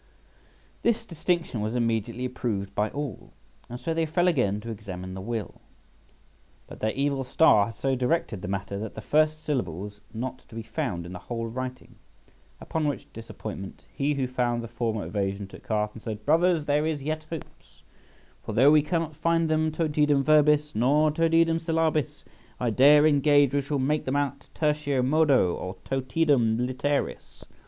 This distinction was immediately approved by all; and so they fell again to examine the will. But their evil star had so directed the matter that the first syllable was not to be found in the whole writing; upon which disappointment, he who found the former evasion took heart, and said, "Brothers, there is yet hopes; for though we cannot find them totidem verbis nor totidem syllabis, I dare engage we shall make them out tertio modo or totidem literis."